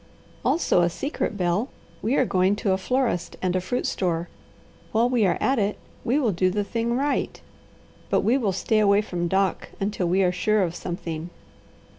Also a secret, Bel; we are going to a florist and a fruit store. While we are at it, we will do the thing right; but we will stay away from Doc, until we are sure of something.